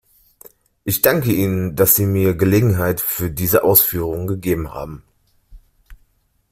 Ich danke Ihnen, dass Sie mir Gelegenheit für diese Ausführungen gegeben haben.